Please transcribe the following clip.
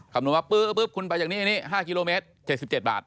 คำนวณว่าคุณไปจากนี้๕กิโลเมตร๗๗บาท